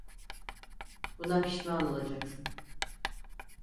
Buna pişman olacaksın!